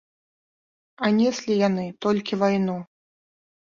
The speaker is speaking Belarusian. А неслі яны толькі вайну.